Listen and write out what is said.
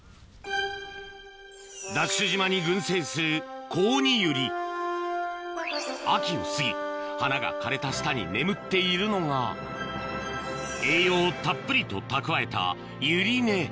島に群生する秋を過ぎ花が枯れた下に眠っているのが栄養をたっぷりと蓄えたＤＡＳＨ